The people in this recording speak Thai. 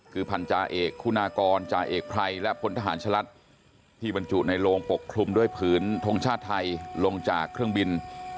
คือพันธาเอกคุณากรจาเอกไพรและพลทหารชะลัดที่บรรจุในโลงปกคลุมด้วยผืนทงชาติไทยลงจากเครื่องบิน